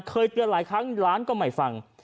เคยเตือนหลายครั้งหลานก็ไม่ฟัง